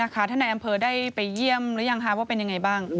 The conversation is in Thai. ท่านในอำเภอได้ไปเยี่ยมหรือยังว่าเป็นยังไงบ้าง